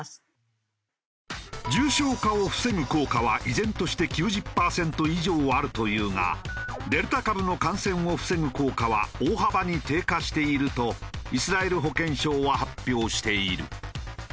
重症化を防ぐ効果は依然として９０パーセント以上あるというがデルタ株の感染を防ぐ効果は大幅に低下しているとイスラエル保健省は発表している。